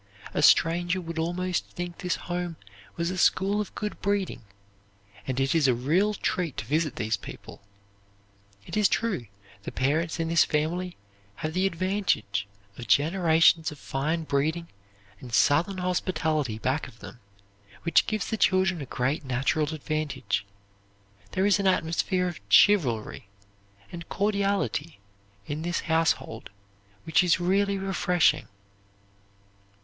A stranger would almost think this home was a school of good breeding, and it is a real treat to visit these people. It is true the parents in this family have the advantage of generations of fine breeding and Southern hospitality back of them, which gives the children a great natural advantage. There is an atmosphere of chivalry and cordiality in this household which is really refreshing.